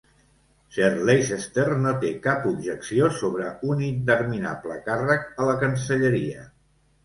Sir Leicester no té cap objecció sobre un interminable càrrec a la cancelleria